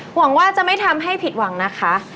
หวังว่าจะไม่ทำให้ผิดหวังนะคะ